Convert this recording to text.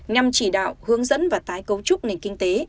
năm chỉ đạo hướng dẫn và tái cấu trúc nền kinh tế